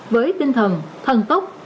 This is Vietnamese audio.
với tinh thần thần tốc